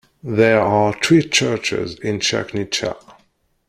There are three churches in Cerknica.